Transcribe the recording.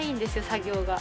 作業が。